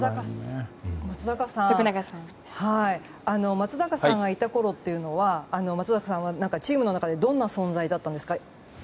松坂さんがいたころというのは松坂さんはチームの中でどんな存在だったんですか？